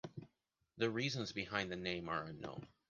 The reasons behind the name are unknown.